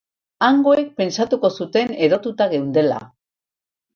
Hangoek pentsatuko zuten erotuta geundela.